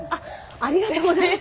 ありがとうございます。